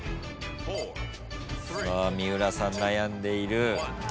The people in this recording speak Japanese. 三浦さん悩んでいる。